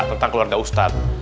tentang keluarga ustadz